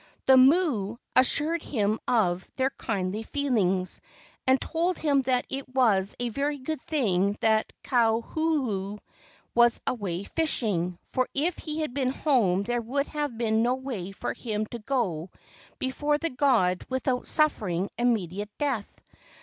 The mo o assured him of KAUHUHU, THE SHARK GOD OF MOLOKAI 53 their kindly feelings, and told him that it was a very good thing that Kauhuhu was away fishing, for if he had been home there would have been no way for him to go before the god without suffering immediate death.